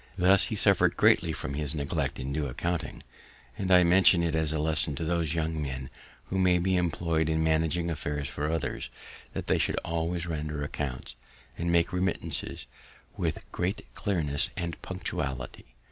Thus he suffer'd greatly from his neglect in due accounting; and I mention it as a lesson to those young men who may be employ'd in managing affairs for others, that they should always render accounts, and make remittances, with great clearness and punctuality.